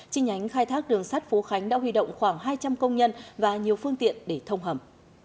chính nhánh khai thác đường sắt phú khánh đã huy động khoảng hai trăm linh công nhân và nhiều phương tiện để thông hầm